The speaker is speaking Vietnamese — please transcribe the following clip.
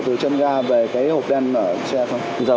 từ chân ga về cái hộp đen ở xe phòng